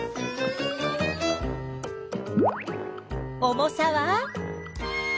重さは？